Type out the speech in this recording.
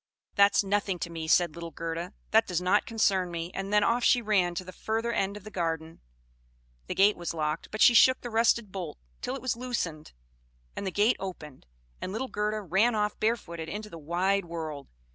"That's nothing to me," said little Gerda. "That does not concern me." And then off she ran to the further end of the garden. The gate was locked, but she shook the rusted bolt till it was loosened, and the gate opened; and little Gerda ran off barefooted into the wide world.